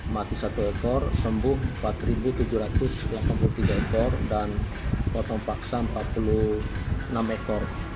mati satu ekor sembuh empat tujuh ratus delapan puluh tiga ekor dan potong paksa empat puluh enam ekor